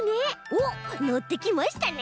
おっのってきましたね。